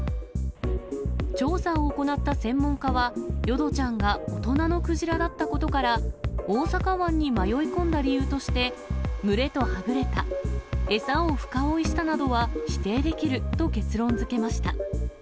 調査を行った専門家は、淀ちゃんが大人のクジラだったことから、大阪湾に迷い込んだ理由として、群れとはぐれた、餌を深追いしたなどは否定できると結論づけました。